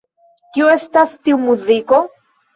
Kio estas tiu muziko?